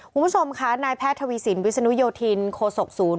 คุณผู้ชมค่ะนายแพทย์ทวีสินวิศนุโยธินโคศกศูนย์